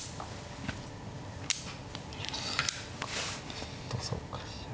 ちょっとそうか。